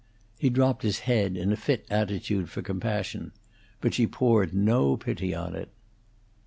He dropped his head in a fit attitude for compassion; but she poured no pity upon it.